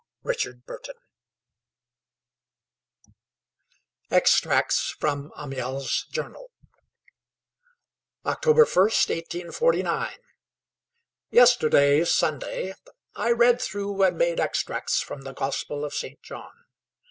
Richard Burton EXTRACTS FROM AMIEL'S JOURNAL October 1st, 1849. Yesterday, Sunday, I read through and made extracts from the Gospel of St. John.